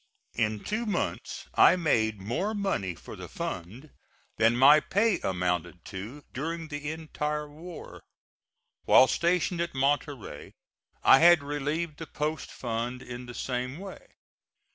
In two months I made more money for the fund than my pay amounted to during the entire war. While stationed at Monterey I had relieved the post fund in the same way.